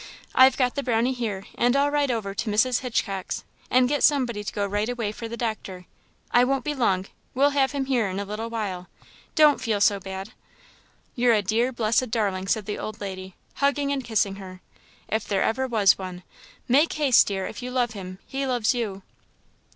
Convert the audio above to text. I've got the Brownie here and I'll ride over to Mrs. Hitchcock's and get somebody to go right away for the doctor. I won't be long we'll have him here in a little while! don't feel so bad!" "You're a dear blessed darling!" said the old lady, hugging and kissing her "if ever there was one. Make haste, dear, if you love him! he loves you."